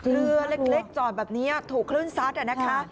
เรือเล็กจอดแบบนี้ถูกคลื่นซัดอ่ะนะคะ